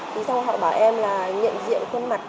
thì xong họ bảo em là nhận diện khuôn mặt